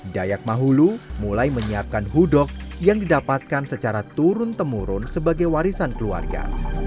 dayak mahulu mulai menyiapkan hudok yang didapatkan secara turun temurun sebagai warisan keluarga